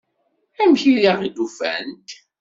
Amek ay aɣ-d-ufant?